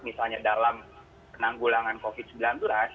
misalnya dalam penanggulangan covid sembilan belas